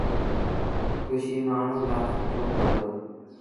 کُشي مآڻهوٚݩ لآ سُٺو کآڌو اهي۔